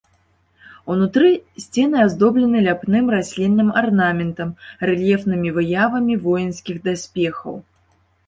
Унутры сцены аздоблены ляпным раслінным арнаментам, рэльефнымі выявамі воінскіх даспехаў.